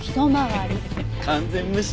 完全無視！